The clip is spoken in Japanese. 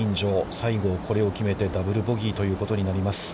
西郷、これを決めて、ダブル・ボギーということになります。